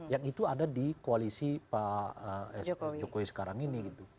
yang itu ada di koalisi pak jokowi sekarang ini